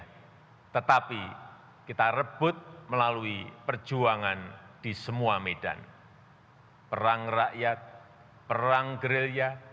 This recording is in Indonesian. tetapi kita rebut melalui perjuangan di semua medan perang rakyat perang gerilya